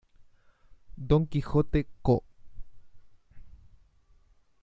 Don Quijote Co.